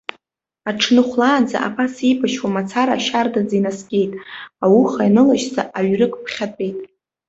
Аҽны хәлаанӡа абас еибашьуа мацара шьардаӡа инаскьеит, ауха ианылашьца аҩрык ԥхьатәеит.